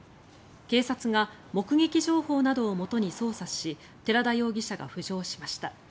警察が目撃情報などを元に捜査し寺田容疑者が浮上しました。